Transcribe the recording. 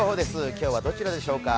今日はどちらでしょうか？